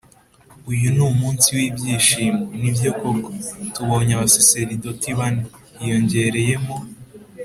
“uyu ni umunsi w’ibyishimo. nibyo koko! tubonye abasaserdoti bane (hiyongeyemo